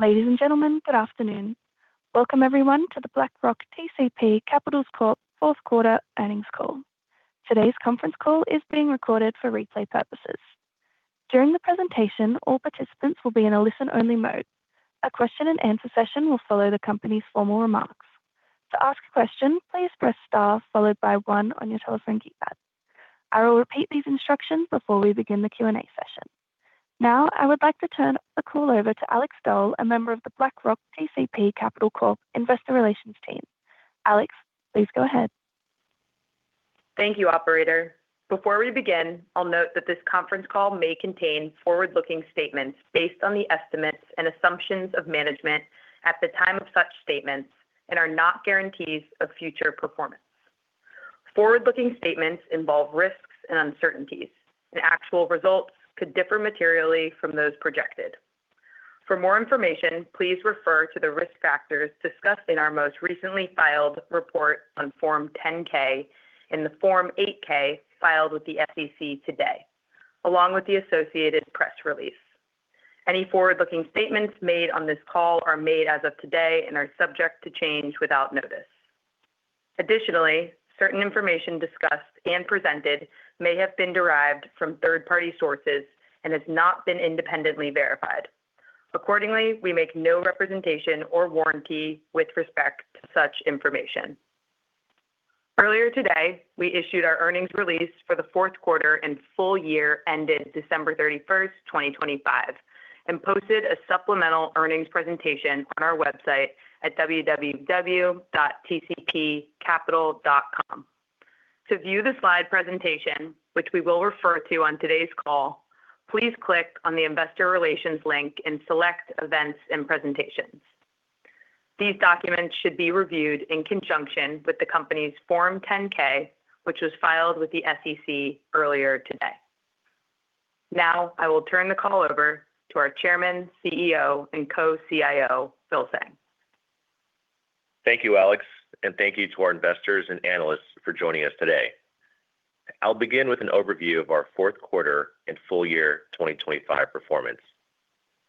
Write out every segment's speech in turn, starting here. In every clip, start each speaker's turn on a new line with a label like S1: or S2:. S1: Ladies and gentlemen, good afternoon. Welcome, everyone, to the BlackRock TCP Capital Corp. fourth quarter earnings call. Today's conference call is being recorded for replay purposes. During the presentation, all participants will be in a listen-only mode. A question-and-answer session will follow the company's formal remarks. To ask a question, please press star followed by one on your telephone keypad. I will repeat these instructions before we begin the Q&A session. Now, I would like to turn the call over to Alex Dole, a member of the BlackRock TCP Capital Corp. Investor Relations team. Alex, please go ahead.
S2: Thank you, operator. Before we begin, I'll note that this conference call may contain forward-looking statements based on the estimates and assumptions of management at the time of such statements and are not guarantees of future performance. Forward-looking statements involve risks and uncertainties. Actual results could differ materially from those projected. For more information, please refer to the risk factors discussed in our most recently filed report on Form 10-K and the Form 8-K filed with the SEC today, along with the associated press release. Any forward-looking statements made on this call are made as of today and are subject to change without notice. Additionally, certain information discussed and presented may have been derived from third-party sources and has not been independently verified. Accordingly, we make no representation or warranty with respect to such information. Earlier today, we issued our earnings release for the fourth quarter and full year ended December 31st, 2025 and posted a supplemental earnings presentation on our website at www.tcpcapital.com. To view the slide presentation, which we will refer to on today's call, please click on the Investor Relations link and select Events and Presentations. These documents should be reviewed in conjunction with the company's Form 10-K, which was filed with the SEC earlier today. Now, I will turn the call over to our Chairman, CEO, and Co-CIO, Phil Tseng.
S3: Thank you, Alex. Thank you to our investors and analysts for joining us today. I'll begin with an overview of our fourth quarter and full year 2025 performance.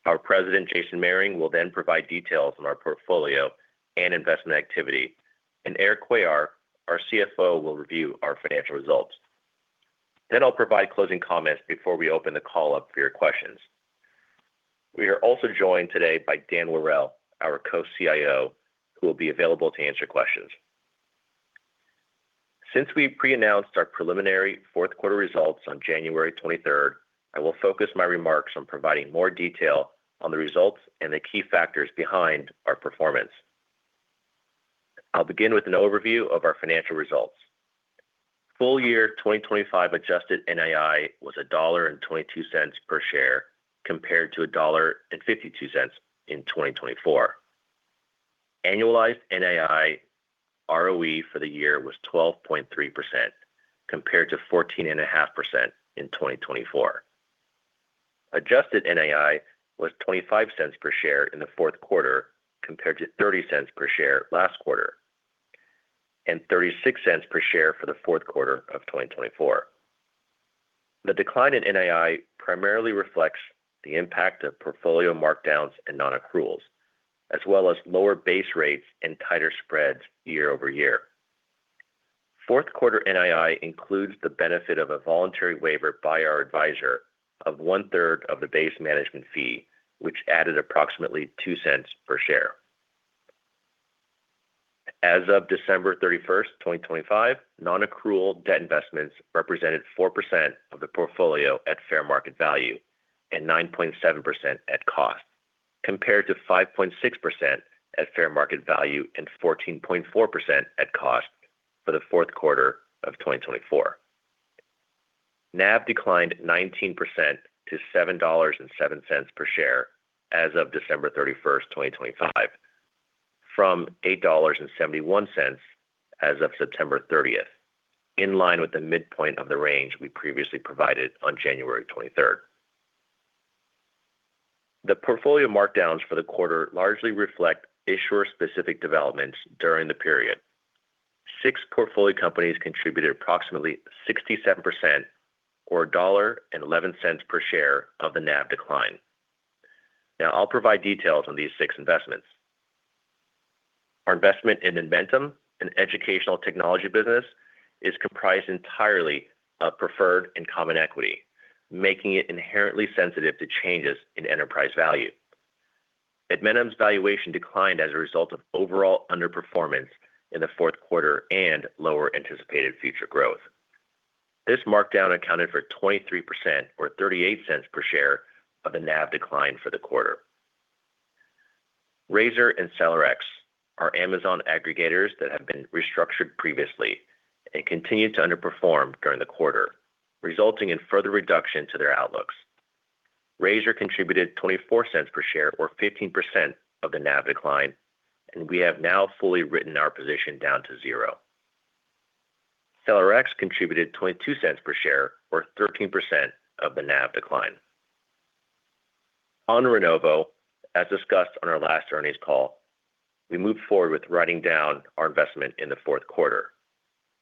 S3: Our President, Jason Mehring, will provide details on our portfolio and investment activity. Erik Cuellar, our CFO, will review our financial results. I'll provide closing comments before we open the call up for your questions. We are also joined today by Dan Worrell, our Co-CIO, who will be available to answer questions. Since we pre-announced our preliminary fourth quarter results on January 23rd, I will focus my remarks on providing more detail on the results and the key factors behind our performance. I'll begin with an overview of our financial results. Full year 2025 adjusted NII was $1.22 per share, compared to $1.52 in 2024. Annualized NII ROE for the year was 12.3% compared to 14.5% in 2024. Adjusted NII was $0.25 per share in the fourth quarter compared to $0.30 per share last quarter, and $0.36 per share for the fourth quarter of 2024. The decline in NII primarily reflects the impact of portfolio markdowns and non-accruals, as well as lower base rates and tighter spreads year-over-year. Fourth quarter NII includes the benefit of a voluntary waiver by our advisor of one-third of the base management fee, which added approximately $0.02 per share. As of December 31, 2025, non-accrual debt investments represented 4% of the portfolio at fair market value and 9.7% at cost, compared to 5.6% at fair market value and 14.4% at cost for the fourth quarter of 2024. NAV declined 19% to $7.07 per share as of December 31, 2025 from $8.71 as of September 30, in line with the midpoint of the range we previously provided on January 23. The portfolio markdowns for the quarter largely reflect issuer-specific developments during the period. Six portfolio companies contributed approximately 67% or $1.11 per share of the NAV decline. Now, I'll provide details on these six investments. Our investment in Edmentum, an educational technology business, is comprised entirely of preferred and common equity, making it inherently sensitive to changes in enterprise value. Edmentum's valuation declined as a result of overall underperformance in the fourth quarter and lower anticipated future growth. This markdown accounted for 23% or $0.38 per share of the NAV decline for the quarter. Razor and SellerX are Amazon aggregators that have been restructured previously and continued to underperform during the quarter, resulting in further reduction to their outlooks. Razor contributed $0.24 per share or 15% of the NAV decline, and we have now fully written our position down to zero. SellerX contributed $0.22 per share or 13% of the NAV decline. On Renovo, as discussed on our last earnings call, we moved forward with writing down our investment in the fourth quarter.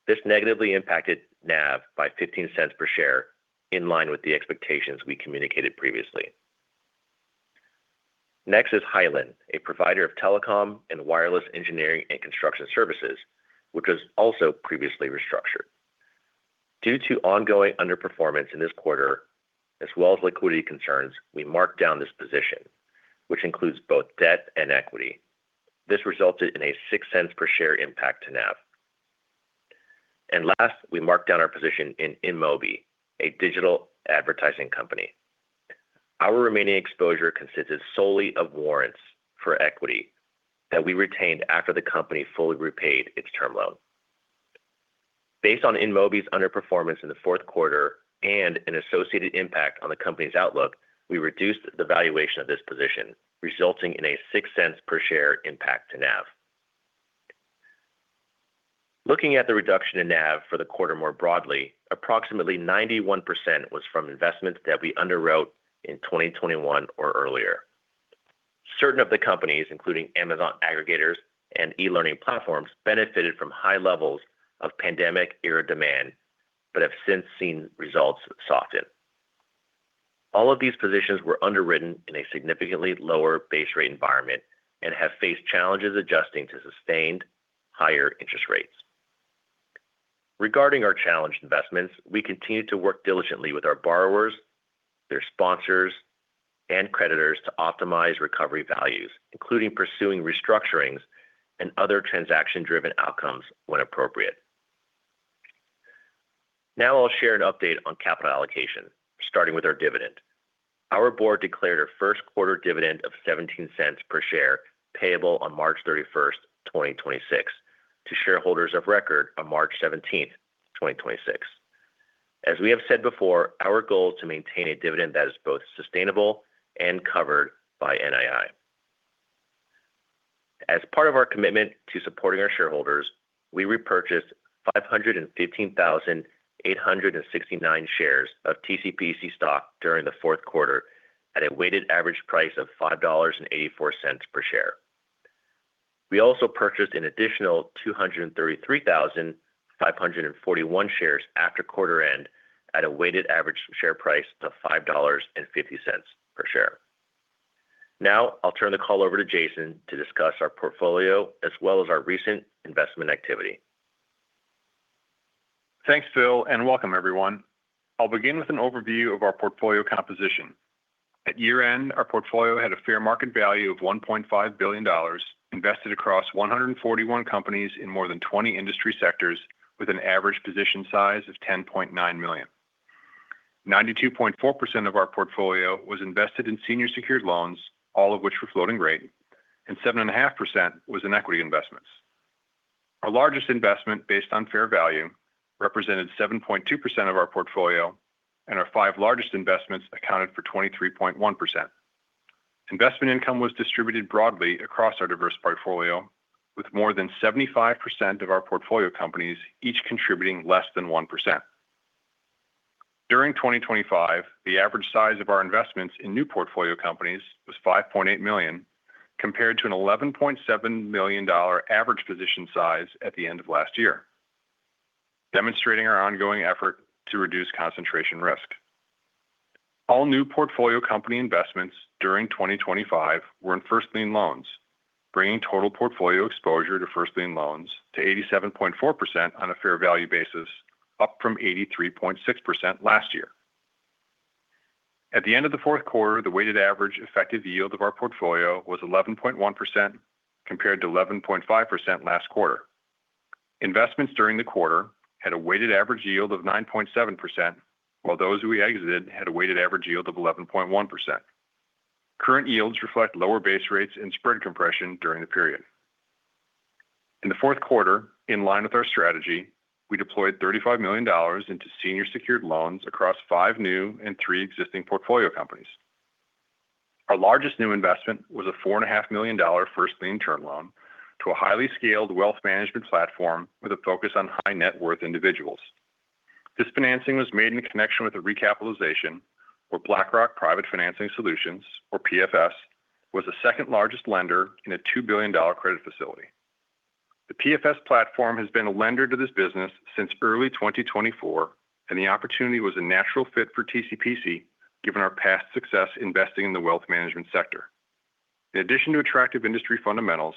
S3: This negatively impacted NAV by $0.15 per share in line with the expectations we communicated previously. Hylan, a provider of telecom and wireless engineering and construction services, which was also previously restructured. Due to ongoing underperformance in this quarter as well as liquidity concerns, we marked down this position, which includes both debt and equity. This resulted in a $0.06 per share impact to NAV. Last, we marked down our position in InMobi, a digital advertising company. Our remaining exposure consisted solely of warrants for equity that we retained after the company fully repaid its term loan. Based on InMobi's underperformance in the fourth quarter and an associated impact on the company's outlook, we reduced the valuation of this position, resulting in a $0.06 per share impact to NAV. Looking at the reduction in NAV for the quarter more broadly, approximately 91% was from investments that we underwrote in 2021 or earlier. Certain of the companies, including Amazon aggregators and e-learning platforms, benefited from high levels of pandemic era demand, but have since seen results soften. All of these positions were underwritten in a significantly lower base rate environment and have faced challenges adjusting to sustained higher interest rates. Regarding our challenged investments, we continue to work diligently with our borrowers, their sponsors, and creditors to optimize recovery values, including pursuing restructurings and other transaction-driven outcomes when appropriate. I'll share an update on capital allocation, starting with our dividend. Our board declared our first quarter dividend of $0.17 per share payable on March 31, 2026, to shareholders of record on March 17, 2026. As we have said before, our goal is to maintain a dividend that is both sustainable and covered by NII. As part of our commitment to supporting our shareholders, we repurchased 515,869 shares of TCPC stock during the fourth quarter at a weighted average price of $5.84 per share. We also purchased an additional 233,541 shares after quarter end at a weighted average share price of $5.50 per share. Now I'll turn the call over to Jason to discuss our portfolio as well as our recent investment activity.
S4: Thanks, Phil. Welcome everyone. I'll begin with an overview of our portfolio composition. At year-end, our portfolio had a fair market value of $1.5 billion invested across 141 companies in more than 20 industry sectors with an average position size of $10.9 million. 92.4% of our portfolio was invested in senior secured loans, all of which were floating rate. 7.5% was in equity investments. Our largest investment based on fair value represented 7.2% of our portfolio. Our five largest investments accounted for 23.1%. Investment income was distributed broadly across our diverse portfolio, with more than 75% of our portfolio companies each contributing less than 1%. During 2025, the average size of our investments in new portfolio companies was $5.8 million, compared to an $11.7 million average position size at the end of last year, demonstrating our ongoing effort to reduce concentration risk. All new portfolio company investments during 2025 were in first lien loans, bringing total portfolio exposure to first lien loans to 87.4% on a fair value basis, up from 83.6% last year. At the end of the fourth quarter, the weighted average effective yield of our portfolio was 11.1% compared to 11.5% last quarter. Investments during the quarter had a weighted average yield of 9.7%, while those we exited had a weighted average yield of 11.1%. Current yields reflect lower base rates and spread compression during the period. In the fourth quarter, in line with our strategy, we deployed $35 million into senior secured loans across five new and three existing portfolio companies. Our largest new investment was a four and a half million dollar first lien term loan to a highly scaled wealth management platform with a focus on high net worth individuals. This financing was made in connection with a recapitalization where BlackRock Private Financing Solutions, or PFS, was the second largest lender in a $2 billion credit facility. The PFS platform has been a lender to this business since early 2024. The opportunity was a natural fit for TCPC, given our past success investing in the wealth management sector. In addition to attractive industry fundamentals,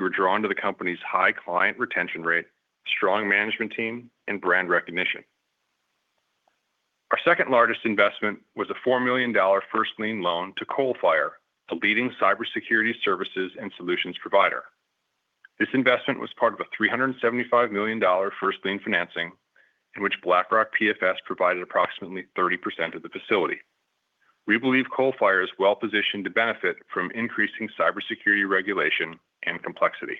S4: we were drawn to the company's high client retention rate, strong management team, and brand recognition. Our second largest investment was a $4 million first lien loan to Coalfire, a leading cybersecurity services and solutions provider. This investment was part of a $375 million first lien financing in which BlackRock PFS provided approximately 30% of the facility. We believe Coalfire is well positioned to benefit from increasing cybersecurity regulation and complexity.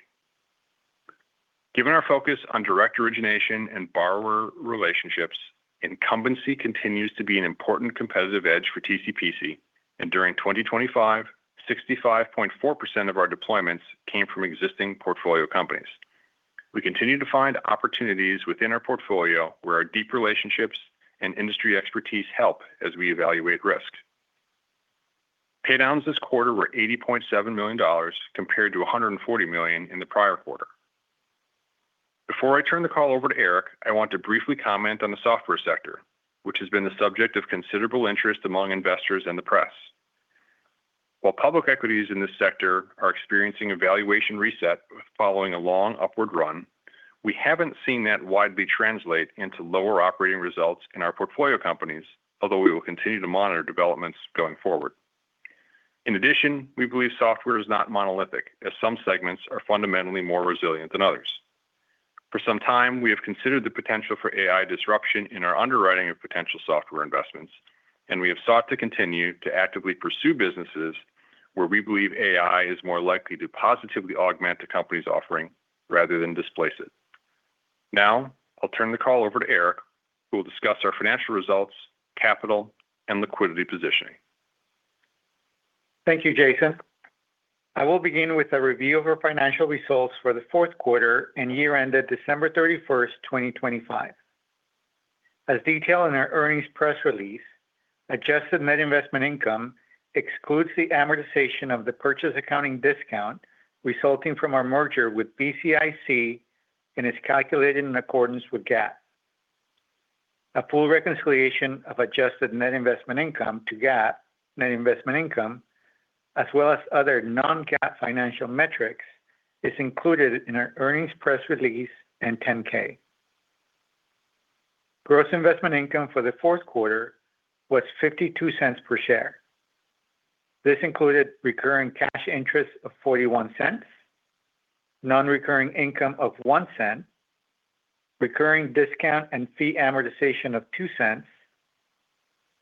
S4: Given our focus on direct origination and borrower relationships, incumbency continues to be an important competitive edge for TCPC, and during 2025, 65.4% of our deployments came from existing portfolio companies. We continue to find opportunities within our portfolio where our deep relationships and industry expertise help as we evaluate risk. Paydowns this quarter were $80.7 million compared to $140 million in the prior quarter. Before I turn the call over to Erik, I want to briefly comment on the software sector, which has been the subject of considerable interest among investors and the press. While public equities in this sector are experiencing a valuation reset following a long upward run, we haven't seen that widely translate into lower operating results in our portfolio companies, although we will continue to monitor developments going forward. In addition, we believe software is not monolithic as some segments are fundamentally more resilient than others. For some time, we have considered the potential for AI disruption in our underwriting of potential software investments, and we have sought to continue to actively pursue businesses where we believe AI is more likely to positively augment a company's offering rather than displace it. Now I'll turn the call over to Erik, who will discuss our financial results, capital, and liquidity positioning.
S5: Thank you, Jason. I will begin with a review of our financial results for the fourth quarter and year-ended December 31st, 2025. As detailed in our earnings press release, adjusted net investment income excludes the amortization of the purchase accounting discount resulting from our merger with BCIC and is calculated in accordance with GAAP. A full reconciliation of adjusted net investment income to GAAP net investment income, as well as other non-GAAP financial metrics, is included in our earnings press release and 10-K. Gross investment income for the fourth quarter was $0.52 per share. This included recurring cash interest of $0.41, non-recurring income of $0.01, recurring discount and fee amortization of $0.02,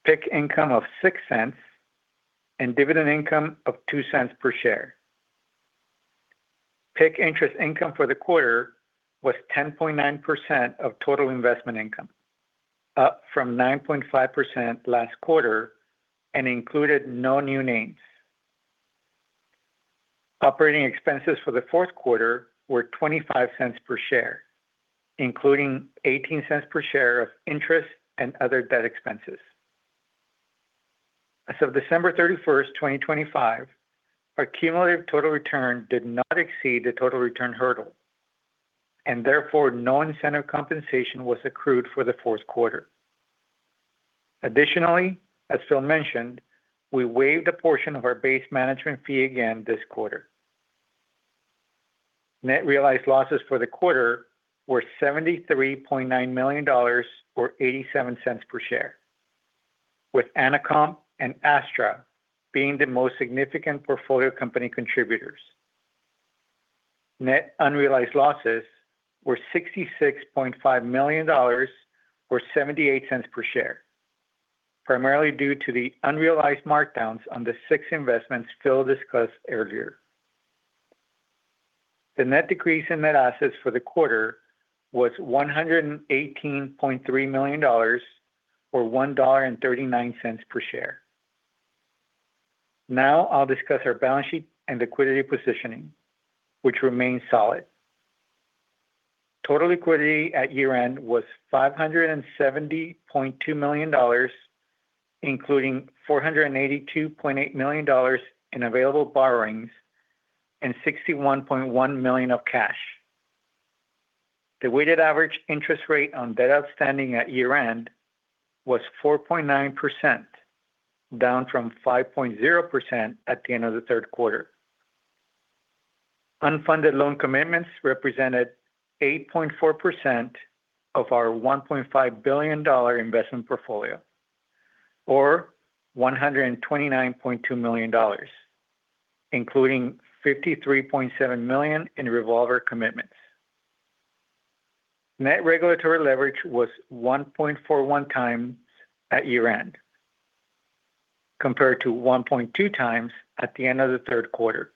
S5: PIK income of $0.06, and dividend income of $0.02 per share. PIK interest income for the quarter was 10.9% of total investment income, up from 9.5% last quarter and included no new names. Operating expenses for the fourth quarter were $0.25 per share, including $0.18 per share of interest and other debt expenses. As of December 31, 2025, our cumulative total return did not exceed the total return hurdle, and therefore no incentive compensation was accrued for the fourth quarter. Additionally, as Phil mentioned, we waived a portion of our base management fee again this quarter. Net realized losses for the quarter were $73.9 million or $0.87 per share, with Anacomp and Astra being the most significant portfolio company contributors. Net unrealized losses were $66.5 million or $0.78 per share, primarily due to the unrealized markdowns on the six investments Phil discussed earlier. The net decrease in net assets for the quarter was $118.3 million or $1.39 per share. I'll discuss our balance sheet and liquidity positioning, which remains solid. Total liquidity at year-end was $570.2 million, including $482.8 million in available borrowings and $61.1 million of cash. The weighted average interest rate on debt outstanding at year-end was 4.9%, down from 5.0% at the end of the third quarter. Unfunded loan commitments represented 8.4% of our $1.5 billion investment portfolio or $129.2 million, including $53.7 million in revolver commitments. net regulatory leverage was 1.41x at year-end compared to 1.2x at the end of the third quarter,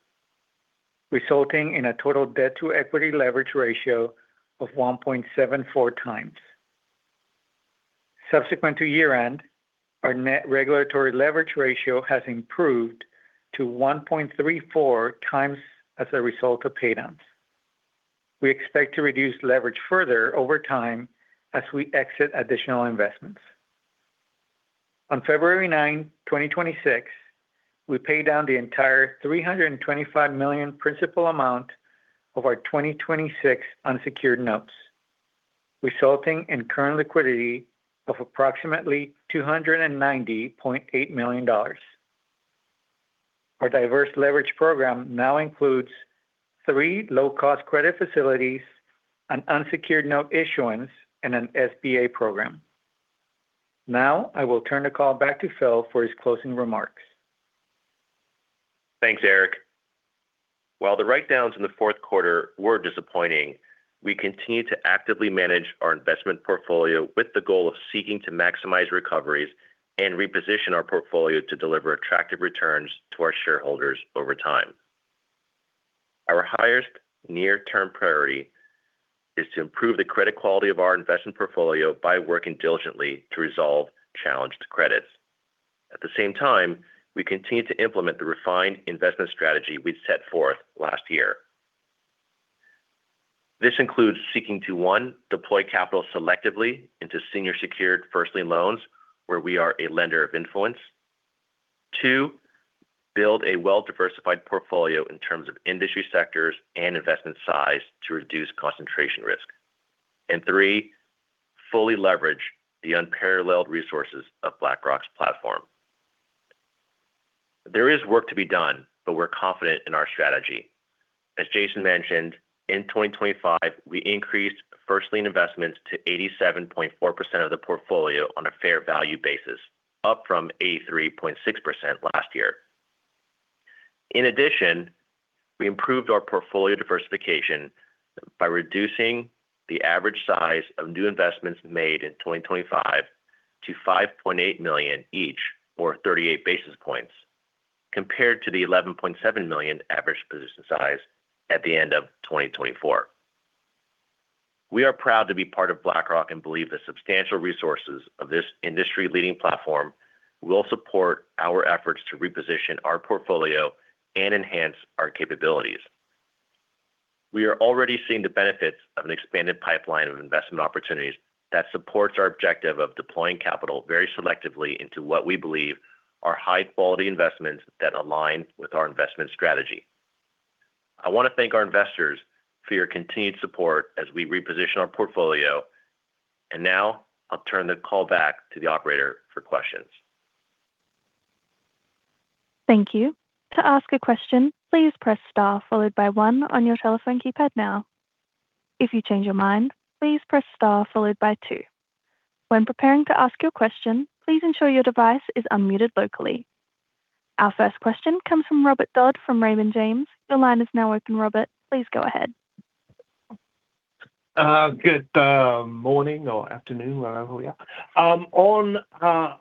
S5: resulting in a total debt-to-equity leverage ratio of 1.74x. Subsequent to year-end, our net regulatory leverage ratio has improved to 1.34x as a result of paydowns. We expect to reduce leverage further over time as we exit additional investments. On February 9, 2026, we paid down the entire $325 million principal amount of our 2026 unsecured notes, resulting in current liquidity of approximately $290.8 million. Our diverse leverage program now includes three low-cost credit facilities, an unsecured note issuance, and an SBA program. I will turn the call back to Phil for his closing remarks.
S3: Thanks, Erik. While the write-downs in the fourth quarter were disappointing, we continue to actively manage our investment portfolio with the goal of seeking to maximize recoveries and reposition our portfolio to deliver attractive returns to our shareholders over time. Our highest near-term priority is to improve the credit quality of our investment portfolio by working diligently to resolve challenged credits. At the same time, we continue to implement the refined investment strategy we set forth last year. This includes seeking to, one, deploy capital selectively into senior secured first lien loans where we are a lender of influence. Two, build a well-diversified portfolio in terms of industry sectors and investment size to reduce concentration risk. Three, fully leverage the unparalleled resources of BlackRock's platform. There is work to be done, but we're confident in our strategy. As Jason mentioned, in 2025, we increased first lien investments to 87.4% of the portfolio on a fair value basis, up from 83.6% last year. In addition, we improved our portfolio diversification by reducing the average size of new investments made in 2025 to $5.8 million each, or 38 basis points, compared to the $11.7 million average position size at the end of 2024. We are proud to be part of BlackRock and believe the substantial resources of this industry-leading platform will support our efforts to reposition our portfolio and enhance our capabilities. We are already seeing the benefits of an expanded pipeline of investment opportunities that supports our objective of deploying capital very selectively into what we believe are high-quality investments that align with our investment strategy. I want to thank our investors for your continued support as we reposition our portfolio. Now I'll turn the call back to the operator for questions.
S1: Thank you. To ask a question, please press star followed by one on your telephone keypad now. If you change your mind, please press star followed by two. When preparing to ask your question, please ensure your device is unmuted locally. Our first question comes from Robert Dodd from Raymond James. Your line is now open, Robert. Please go ahead.
S6: Good morning or afternoon, wherever we are.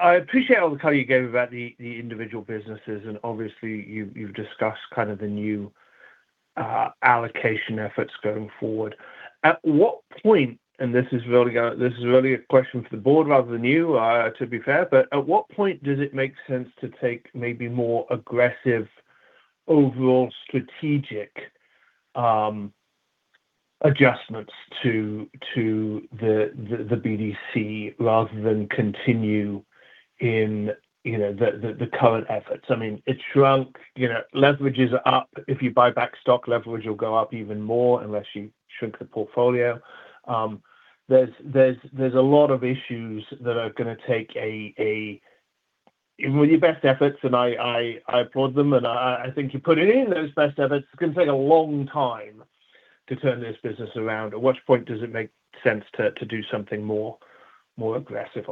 S6: I appreciate all the color you gave about the individual businesses, and obviously you've discussed kind of the new allocation efforts going forward. At what point, and this is really a question for the board rather than you, to be fair, but at what point does it make sense to take maybe more aggressive overall strategic adjustments to the BDC rather than continue in, you know, the current efforts? I mean, it shrunk, you know, leverage is up. If you buy back stock, leverage will go up even more unless you shrink the portfolio. There's a lot of issues that are gonna take a... even best efforts, and I applaud them, and I think you're putting in those best efforts, it's gonna take a long time to turn this business around. At what point does it make sense to do something more aggressive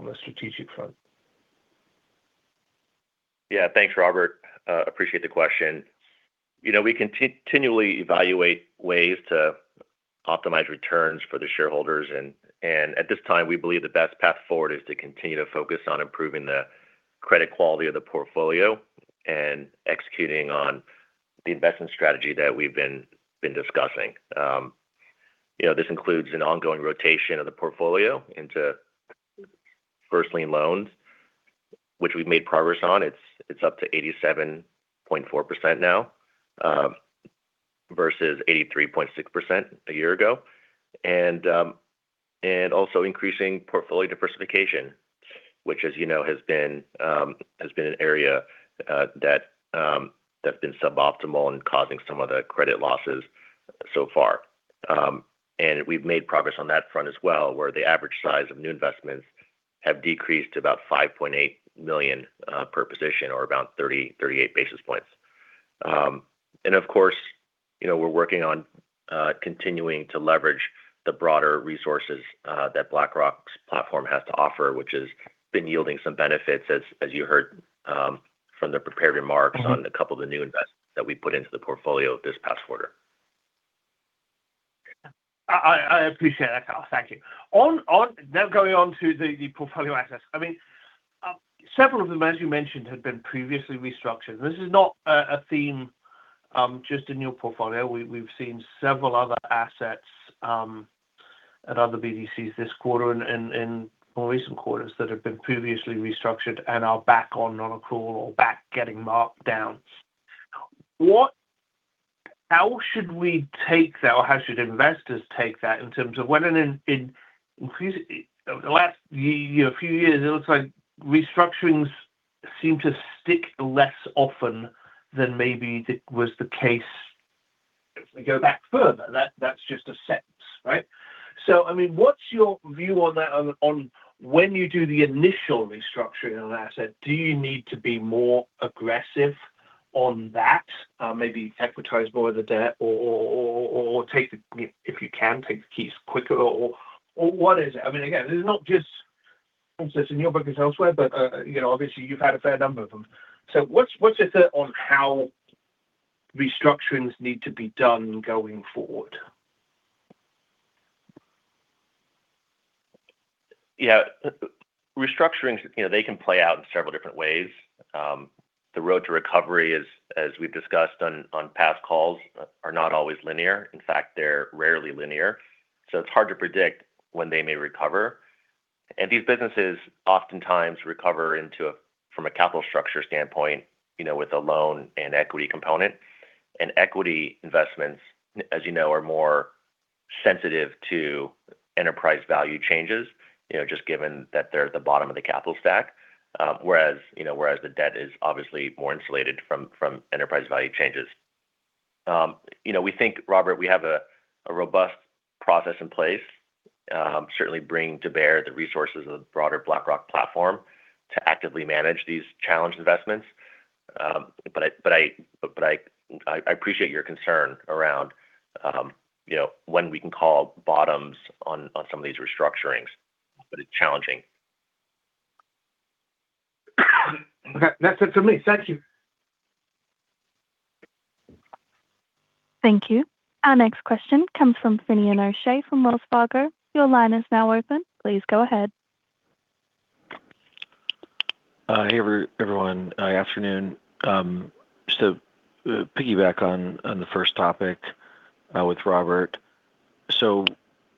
S6: on the strategic front?
S3: Yeah. Thanks, Robert. Appreciate the question. You know, we continually evaluate ways to optimize returns for the shareholders, and at this time, we believe the best path forward is to continue to focus on improving the credit quality of the portfolio and executing on the investment strategy that we've been discussing. You know, this includes an ongoing rotation of the portfolio into first lien loans, which we've made progress on. It's up to 87.4% now, versus 83.6% a year ago. Also increasing portfolio diversification, which as you know, has been an area that's been suboptimal and causing some of the credit losses so far. We've made progress on that front as well, where the average size of new investments have decreased to about $5.8 million per position or about 38 basis points. Of course, you know, we're working on continuing to leverage the broader resources that BlackRock's platform has to offer, which has been yielding some benefits as you heard from the prepared remarks on a couple of the new investments that we put into the portfolio this past quarter.
S6: I appreciate that, Phil. Thank you. Now going on to the portfolio assets. I mean, several of them, as you mentioned, had been previously restructured. This is not a theme just in your portfolio. We've seen several other assets at other BDCs this quarter and in more recent quarters that have been previously restructured and are back on non-accrual or back getting marked downs. How should we take that or how should investors take that in terms of whether the last year, few years, it looks like restructurings seem to stick less often than maybe was the case if we go back further. That's just a sense, right? I mean, what's your view on that on when you do the initial restructuring on an asset, do you need to be more aggressive on that, maybe equitize more of the debt or if you can take the keys quicker or what is it? I mean, again, this is not just assets in your book, it's elsewhere, but, you know, obviously you've had a fair number of them. What's your take on how restructurings need to be done going forward?
S3: Yeah. Restructurings, you know, they can play out in several different ways. The road to recovery as we've discussed on past calls are not always linear. They're rarely linear, so it's hard to predict when they may recover. These businesses oftentimes recover into a, from a capital structure standpoint, you know, with a loan and equity component. Equity investments, as you know, are more sensitive to enterprise value changes, you know, just given that they're at the bottom of the capital stack. Whereas, you know, whereas the debt is obviously more insulated from enterprise value changes. You know, we think, Robert, we have a robust process in place, certainly bringing to bear the resources of the broader BlackRock platform to actively manage these challenged investments. I appreciate your concern around, you know, when we can call bottoms on some of these restructurings. It's challenging.
S6: That's it for me. Thank you.
S1: Thank you. Our next question comes from Finian O'Shea from Wells Fargo. Your line is now open. Please go ahead.
S7: Hey, everyone. Afternoon. Just to piggyback on the first topic with Robert.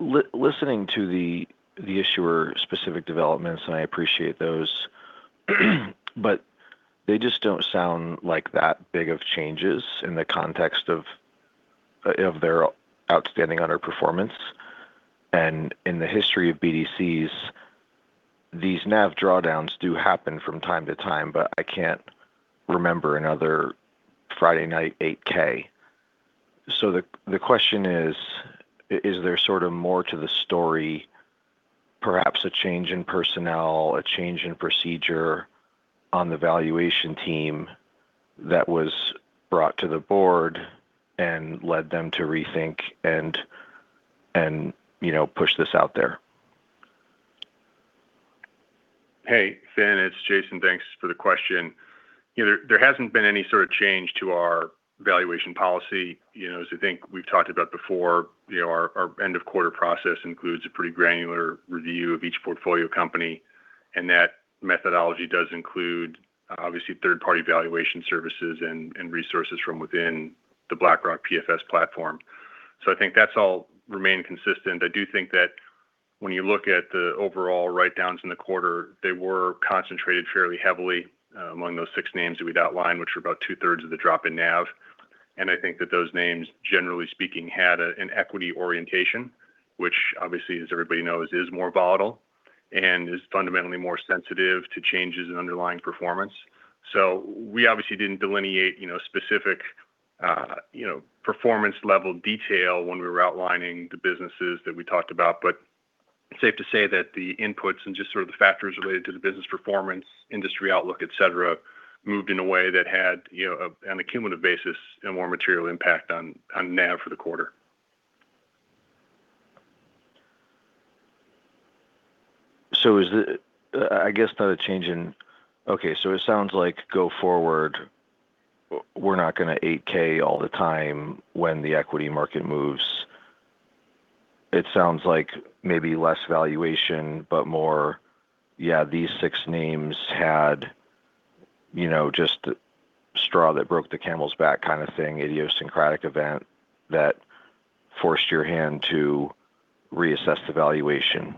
S7: listening to the issuer-specific developments, and I appreciate those, but they just don't sound like that big of changes in the context of their outstanding underperformance. In the history of BDCs, these NAV drawdowns do happen from time to time, but I can't remember another Friday night 8-K. The question is there sort of more to the story, perhaps a change in personnel, a change in procedure on the valuation team that was brought to the board and led them to rethink and, you know, push this out there?
S4: Hey, Finian, it's Jason. Thanks for the question. You know, there hasn't been any sort of change to our valuation policy. You know, as I think we've talked about before, you know, our end of quarter process includes a pretty granular review of each portfolio company, and that methodology does include, obviously, third-party valuation services and resources from within the BlackRock PFS platform. I think that's all remained consistent. I do think that when you look at the overall write-downs in the quarter, they were concentrated fairly heavily among those six names that we'd outlined, which were about two-thirds of the drop in NAV. I think that those names, generally speaking, had a, an equity orientation, which obviously, as everybody knows, is more volatile and is fundamentally more sensitive to changes in underlying performance. We obviously didn't delineate, you know, specific, you know, performance-level detail when we were outlining the businesses that we talked about. It's safe to say that the inputs and just sort of the factors related to the business performance, industry outlook, et cetera, moved in a way that had, you know, an accumulative basis and more material impact on NAV for the quarter.
S7: Is the I guess not a change in. It sounds like go forward, we're not gonna 8-K all the time when the equity market moves. It sounds like maybe less valuation, but more, yeah, these six names had, you know, just the straw that broke the camel's back kind of thing, idiosyncratic event that forced your hand to reassess the valuation.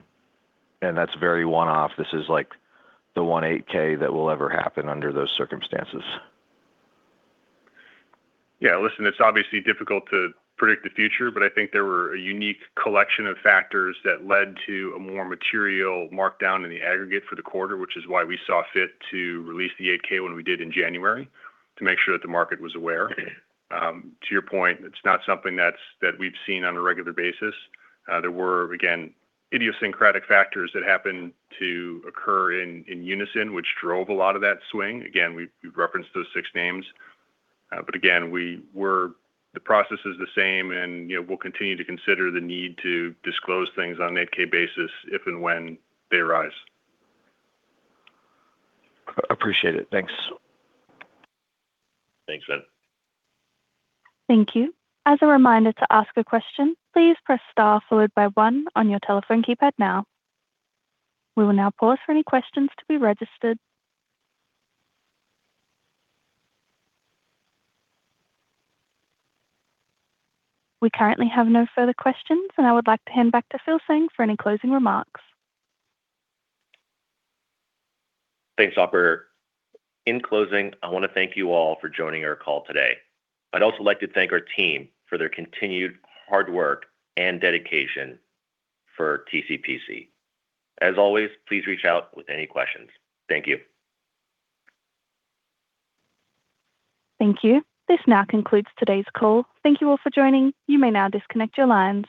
S7: That's very one-off. This is like the one 8-K that will ever happen under those circumstances.
S4: Listen, it's obviously difficult to predict the future, I think there were a unique collection of factors that led to a more material markdown in the aggregate for the quarter, which is why we saw fit to release the 8-K when we did in January, to make sure that the market was aware. To your point, it's not something that we've seen on a regular basis. There were, again, idiosyncratic factors that happened to occur in unison, which drove a lot of that swing. Again, we've referenced those six names. Again, the process is the same and, you know, we'll continue to consider the need to disclose things on an 8-K basis if and when they arise.
S7: Appreciate it. Thanks.
S4: Thanks, Finian.
S1: Thank you. As a reminder to ask a question, please press star followed by one on your telephone keypad now. We will now pause for any questions to be registered. We currently have no further questions. I would like to hand back to Phil Tseng for any closing remarks.
S3: Thanks, operator. In closing, I want to thank you all for joining our call today. I'd also like to thank our team for their continued hard work and dedication for TCPC. As always, please reach out with any questions. Thank you.
S1: Thank you. This now concludes today's call. Thank you all for joining. You may now disconnect your lines.